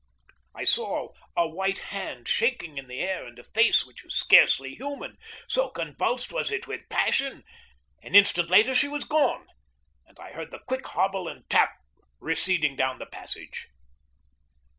I saw a white hand shaking in the air, and a face which was scarcely human, so convulsed was it with passion. An instant later she was gone, and I heard the quick hobble and tap receding down the passage.